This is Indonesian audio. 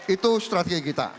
itu strategi kita